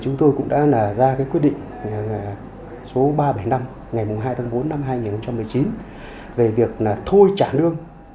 chúng tôi cũng đã ra quyết định số ba trăm bảy mươi năm ngày hai tháng bốn năm hai nghìn một mươi chín về việc thôi trả lương